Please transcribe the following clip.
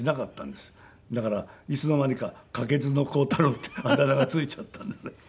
だからいつの間にか「駆けずの浩太朗」ってあだ名がついちゃったんですね。